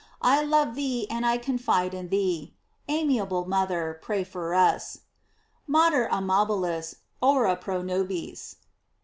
I love thee, and I confide in thee. Amiable mother, pray for us; "Mater amabilis, ora pro nobis."